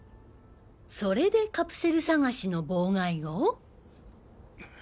それでカプセル探しの妨害を？